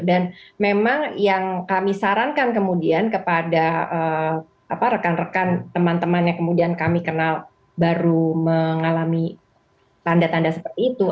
dan memang yang kami sarankan kemudian kepada rekan rekan teman teman yang kemudian kami kenal baru mengalami tanda tanda seperti itu